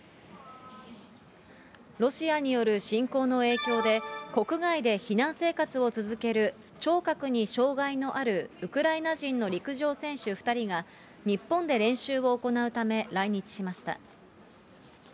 ロシアによる侵攻の影響で、国外で避難生活を続ける、聴覚に障害のあるウクライナ人の陸上選手２人が、日本で練習を行うため、来日しました。